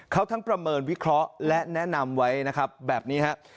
เขาทั้งประเมินวิเคราะห์และแนะนำไว้นะครับแบบนี้ครับ